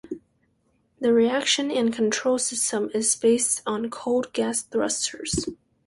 The reaction and control system is based on cold gas thrusters.